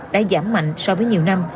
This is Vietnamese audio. đã giảm mạnh so với nhiều năm